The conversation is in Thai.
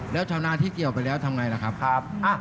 แล้วชาวนาที่เกี่ยวไปแล้วทำไงล่ะครับ